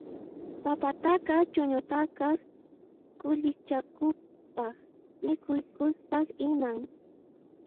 Papataqa chuñuykutaq qullqichaykutaq mikhuykutaq hinan